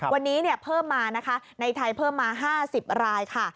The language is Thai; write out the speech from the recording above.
วันนี้เพิ่มมานะคะในไทยเพิ่มมา๕๐รายค่ะ